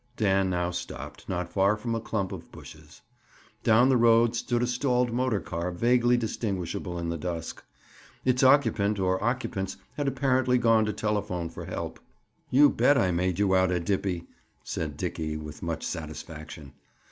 Dan now stopped, not far from a clump of bushes. Down the road stood a stalled motor car vaguely distinguishable in the dusk. Its occupant, or occupants had apparently gone to telephone for help. "You bet I made you out a 'dippy,'" said Dickie with much satisfaction.